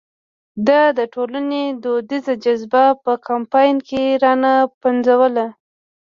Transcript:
ده د ټولنې دودیزه جذبه په کمپاین کې را نه پنځوله.